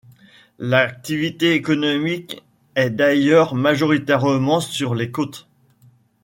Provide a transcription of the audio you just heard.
L'activité économique est d'ailleurs majoritairement sur les côtes.